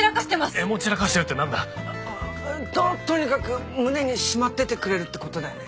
「えも散らかしてる」ってなんだ？ととにかく胸にしまっててくれるって事だよね？